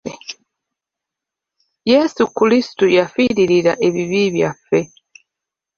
Yesu Kulisito yafirira ebibi byaffe.